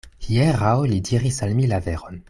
Hieraŭ li diris al mi la veron.